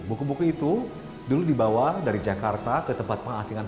buku buku itu dulu dibawa dari jakarta ke tempat pengasingan